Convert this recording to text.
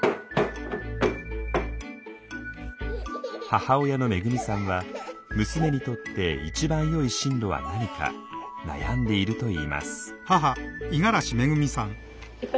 母親の恵さんは娘にとって一番よい進路は何か悩んでいるといいます。